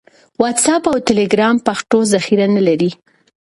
واټس اپ او ټیلیګرام پښتو ذخیره نه لري.